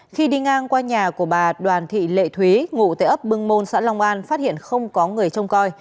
khi đi ngang qua nhà của bà đoàn thị lệ thúy ngủ tại ấp bưng môn xã long an phát hiện không có người trông coi